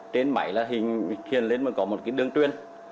trên máy là hình thuyền lên mà có một cái đường truyền